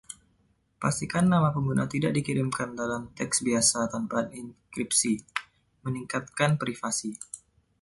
Pastikan nama pengguna tidak dikirimkan dalam teks biasa tanpa enkripsi, meningkatkan privasi.